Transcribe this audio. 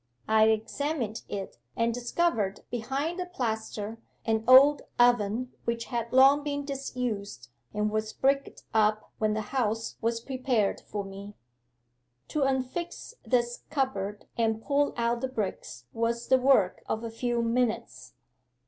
I examined it, and discovered behind the plaster an old oven which had long been disused, and was bricked up when the house was prepared for me. 'To unfix this cupboard and pull out the bricks was the work of a few minutes.